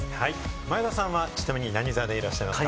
前田さんは何座でいらっしゃいますか？